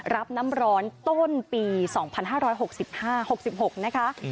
รับน้ำร้อนต้นปี๒๕๖๕๖๖นะคะ